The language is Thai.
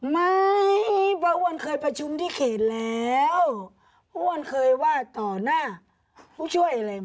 ไม่ว่าอ้วนเคยประชุมที่เขตแล้วอ้วนเคยว่าต่อหน้าผู้ช่วยอะไร